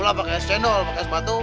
pulang pakai es cendol pakai es batu